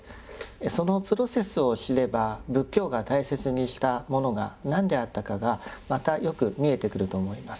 そのプロセスを知れば仏教が大切にしたものが何であったかがまたよく見えてくると思います。